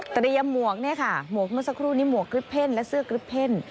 หมวกเนี่ยค่ะหมวกเมื่อสักครู่นี้หมวกกริปเพ่นและเสื้อกริปเพ่น